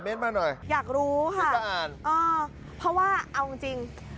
อยากรู้ค่ะเพราะว่าเอ้าจริง